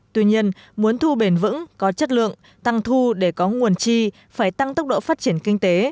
tuy nhiên muốn thu bền vững có chất lượng tăng thu để có nguồn chi phải tăng tốc độ phát triển kinh tế